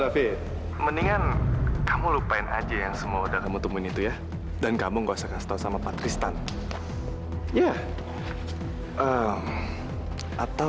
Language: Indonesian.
sampai jumpa di video selanjutnya